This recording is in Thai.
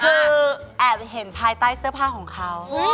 คือแอบเห็นภายใต้เสื้อผ้าของเขา